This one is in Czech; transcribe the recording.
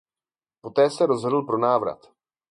Poté se rozhodl pro návrat.